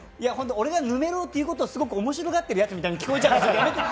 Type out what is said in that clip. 俺がぬめろーって言うことをすごく面白がってるやつみたいに言うのやめて。